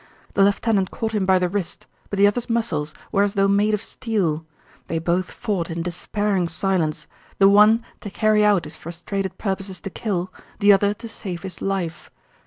The lieutenant caught him by the wrist, but the other's muscles were as though made of steel. They both fought in despairing silence, the one to carry out his frustrated purposes to kill, the other to save his life.